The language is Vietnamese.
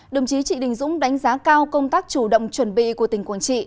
đồng chí trị đình dũng đánh giá cao công tác chủ động chuẩn bị của tỉnh quảng trị